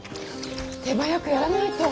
手早くやらないと。